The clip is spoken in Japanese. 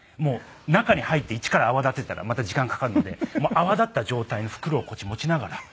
中に入ってイチから泡立てたらまた時間かかるので泡立った状態の袋をこっち持ちながら。